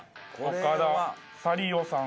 岡田サリオさん。